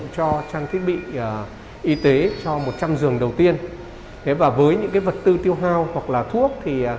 cho trang thiết bị y tế cho một trăm linh giường đầu tiên và với những vật tư tiêu hao hoặc là thuốc